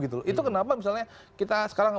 itu kenapa misalnya kita sekarang